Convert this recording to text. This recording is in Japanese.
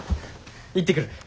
行ってくる。